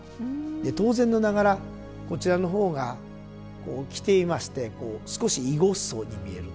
で当然ながらこちらの方が着ていましてこう少しいごっそうに見える。